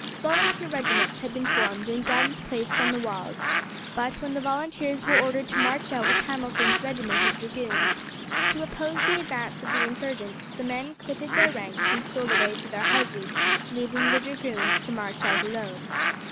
Volunteer regiments had been formed and guns placed on the walls; but when the volunteers were ordered to march out with Hamilton's regiment of dragoons, to oppose the advance of the insurgents, the men quitted their ranks and stole away to their houses, leaving the dragoons to march out alone.